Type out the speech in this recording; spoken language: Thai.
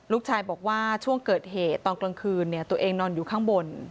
ลูกชายบอกว่าช่วงเกิดเหตุตอนกลางคืนตัวเองนอนอยู่ข้างบน